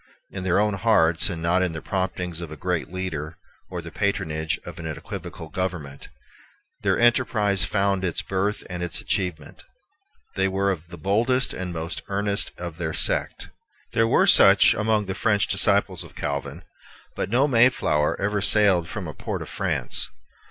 In their own hearts, and not in the promptings of a great leader or the patronage of an equivocal government, their enterprise found its birth and its achievement. They were of the boldest and most earnest of their sect. There were such among the French disciples of Calvin; but no Mayflower ever sailed from a port of France.